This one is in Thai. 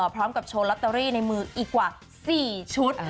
พร้อมกับโชว์ลอตเตอรี่ในมืออีกกว่า๔ชุด